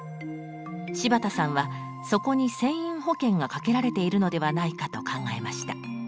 柴田さんはそこに船員保険がかけられているのではないかと考えました。